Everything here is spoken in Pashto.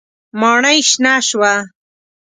ماڼۍ شنه شوه.